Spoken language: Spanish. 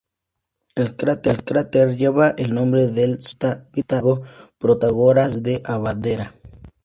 El cráter lleva el nombre del sofista griego Protágoras de Abdera.